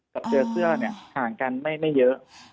กับเจอเสื้อเนี่ยห่างกันไม่เยอะ